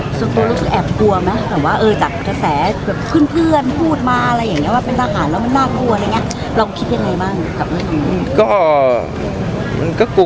เราคิดยังไงบ้างกับนี่